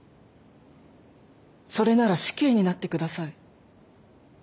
それなら死刑になってください。